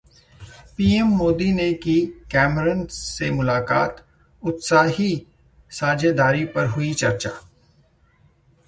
PM Modi ने की Cameron से मुलाकात, 'उत्साही' साझेदारी पर हुई चर्चा